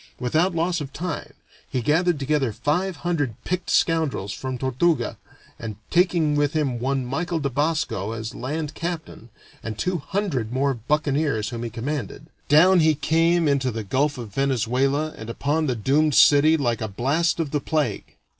Without loss of time he gathered together five hundred picked scoundrels from Tortuga, and taking with him one Michael de Basco as land captain, and two hundred more buccaneers whom he commanded, down he came into the Gulf of Venezuela and upon the doomed city like a blast of the plague.